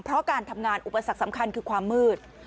เพราะการทำงานอุปสรรคสำคัญคือความมืด